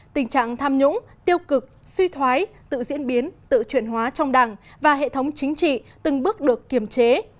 tình trạng tham nhũng tiêu cực suy thoái tự diễn biến tự chuyển hóa trong đảng và hệ thống chính trị từng bước được kiềm chế